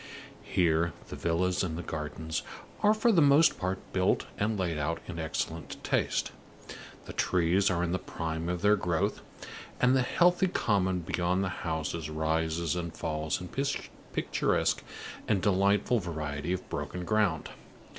Here the villas and gardens are for the most part built and laid out in excellent taste, the trees are in the prime of their growth, and the healthy common beyond the houses rises and falls in picturesque and delightful variety of broken ground.